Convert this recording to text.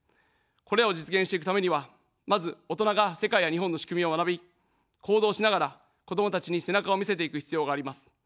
これらを実現していくためには、まず、大人が世界や日本の仕組みを学び、行動しながら子どもたちに背中を見せていく必要があります。